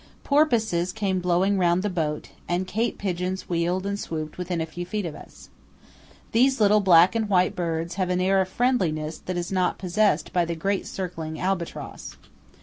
Porpoises came blowing round the boat, and Cape pigeons wheeled and swooped within a few feet of us. These little black and white birds have an air of friendliness that is not possessed by the great circling albatross.